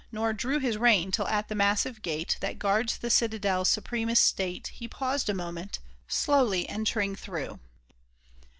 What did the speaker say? Nor drew his rein till at the massive gate That guards the citadel's supremest state He paused a moment, slowly entering through.